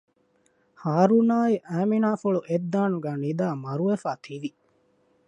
ހާރޫނާއި އައިމިނާފުޅު އެއް ދާނުގައި ނިދައި މަރުވެފައި ތިވި